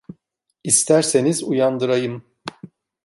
İsterseniz uyandırayım!